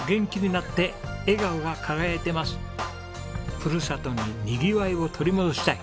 ふるさとににぎわいを取り戻したい。